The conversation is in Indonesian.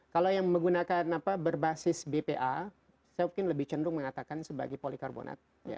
kalau yang menggunakan apa berbasis bpa saya mungkin lebih cenderung mengatakan sebagai polikarbonat